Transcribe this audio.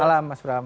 malam mas bram